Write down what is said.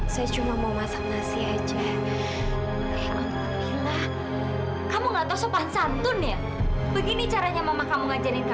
sampai jumpa di video selanjutnya